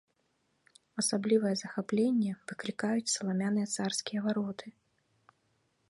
Асаблівае захапленне выклікаюць саламяныя царскія вароты.